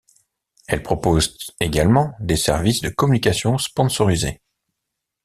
Elle propose également des services de communication sponsorisée.